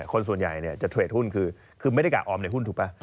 คนส่วนใหญ่จะเทรดหุ้นคือไม่ได้กะออมในหุ้นถูกป่ะ